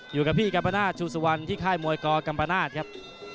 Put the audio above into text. อยู่กับพี่กำประนาจชูสวันที่ค่ายมวยกกำประนาจครับ